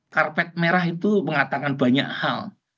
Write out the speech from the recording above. karpet merah itu mengatakan banyak hal